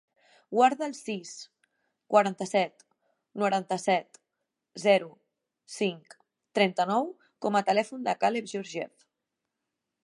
Guarda el sis, quaranta-set, noranta-set, zero, cinc, trenta-nou com a telèfon del Caleb Georgiev.